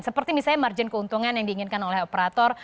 seperti misalnya margin keuntungan yang diinginkan oleh operator